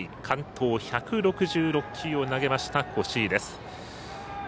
完投１６６球を投げました、越井。